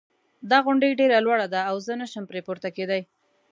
دا غونډی ډېره لوړه ده او زه نه شم پری پورته کېدای